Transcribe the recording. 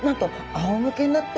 あおむけになって？